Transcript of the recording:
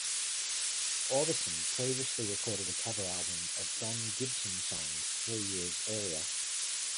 Orbison previously recorded a cover album of Don Gibson songs three years earlier.